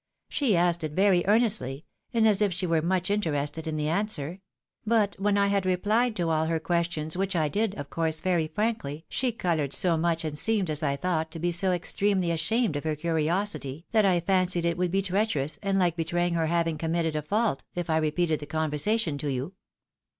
She asked it very earnestly, and as if she were much interested in the answer; but when I had rephed to all her questions, which I did, of course, very frankly, she coloured so much, and seemed, as I thought, to be so extremely ashamed of her curiosity, that I fancied it would be treacherous, and hke betraying her having committed a fault, if I repeated the con < versation to you."